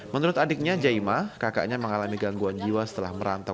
menurut adiknya jaimah kakaknya mengalami gangguan jiwa setelah merantau